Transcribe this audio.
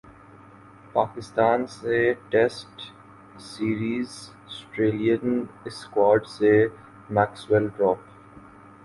پاکستان سے test series Australian squad سے Maxwell drop